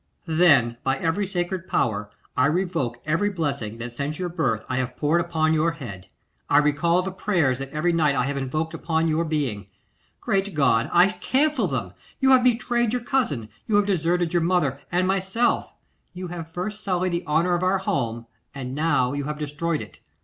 'Then by every sacred power I revoke every blessing that since your birth I have poured upon your head. I recall the prayers that every night I have invoked upon your being. Great God! I cancel them. You have betrayed your cousin; you have deserted your mother and myself; you have first sullied the honour of our house, and now you have destroyed it.